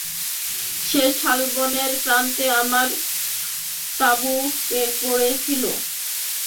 সেই শালবনের প্রান্তে আমার তাঁবু পড়েছিল।